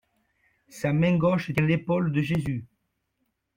Sa main gauche tient l'épaule de Jésus.